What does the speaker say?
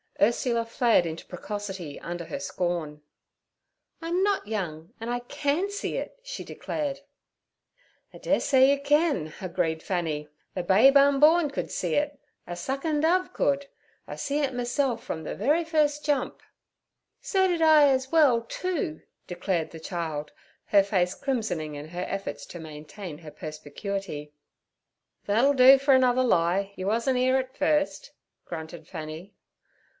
Ursula flared into precocity under her scorn. 'I'm not young, and I can see it' she declared. 'I dessay you ken' agreed Fanny. 'The babe unborn could see it; a suckin' dove could. I see it meself from the very first jump.' 'So did I too, as well too' declared the child, her face crimsoning in her efforts to maintain her perspicuity. 'That'll do fer another lie. You wuzn't 'ere et first' grunted Fanny.